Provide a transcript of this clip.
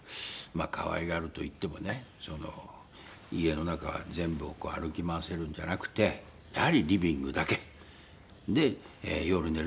可愛がるといってもね家の中全部を歩き回らせるんじゃなくてやはりリビングだけ。で夜寝る時はちゃんとケージ。